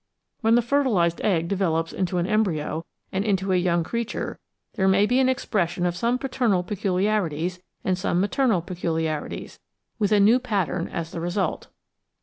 When the fertilised egg develops into an embryo and into a yoimg creature, there may be an expression of some paternal peculiarities and some maternal peculiarities, with a new pattern as the result.